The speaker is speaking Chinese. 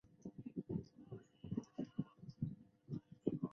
这种局势直到后来稷山之战爆发后才得到转机。